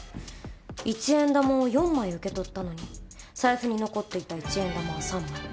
一円玉を４枚受け取ったのに財布に残っていた一円玉は３枚。